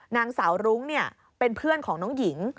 นางสาวรุ้งเป็นเพื่อนของน้องหญิง